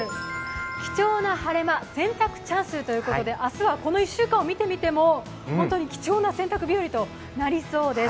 貴重な晴れ間、洗濯チャンスということで明日はこの１週間を見てみても本当に貴重な洗濯日和となりそうです。